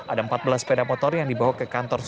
ada empat belas sepeda motor yang dibawa ke kantor